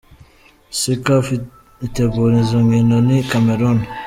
"Si Caf itegura izo nkino, ni Cameroun.